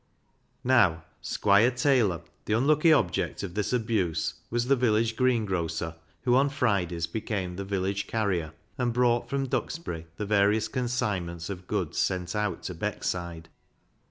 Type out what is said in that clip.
Now, Squire Taylor, the unlucky object of this abuse, was the village greengrocer, who on Fridays became the village carrier, and brought from Duxbury the various consignments of goods sent out to Beckside.